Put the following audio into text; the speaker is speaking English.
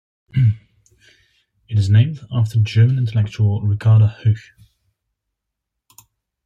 It is named after German intellectual Ricarda Huch.